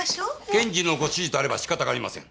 検事のご指示とあらば仕方ありません。